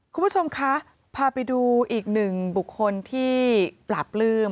คุณผู้ชมคะพาไปดูอีกหนึ่งบุคคลที่ปราบปลื้ม